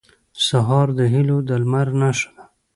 سهار د هيلو د لمر نښه ده.